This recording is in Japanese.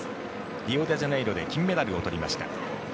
リオデジャネイロで金メダルを取りました。